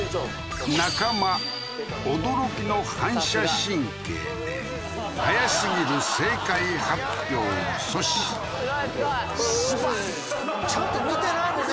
中間驚きの反射神経で早すぎる正解発表を阻止ちょちょちょちょちゃんと見てないもんね